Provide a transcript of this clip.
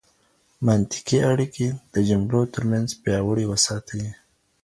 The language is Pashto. منطقي اړیکي د جملو ترمنځ پیاوړې وساتئ.